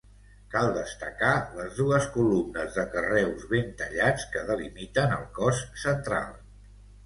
Cal destacar les dues columnes de carreus ben tallats que delimiten el cos central.